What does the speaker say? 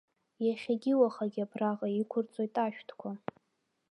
Иахьагьы-уахагьы абраҟа иқәырҵоит ашәҭқәа.